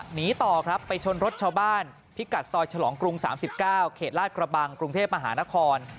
หนีต่อครับไปชนรถชาวบ้านพิกัดซอยฉลองกรุง๓๙เขตลาดกระบังกรุงเทพมหานคร